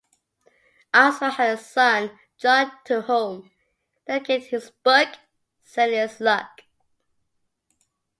Armstrong had a son, John, to whom he dedicated his book "Sailor's Luck".